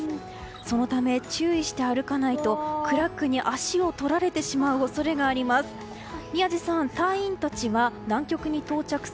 そのため、注意して歩かないとクラックに足を取られてしまう恐れがあります。